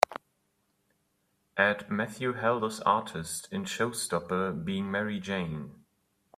add Matthew Helders artist in Showstopper Being Mary Jane